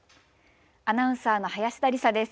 アナウンサーの林田理沙です。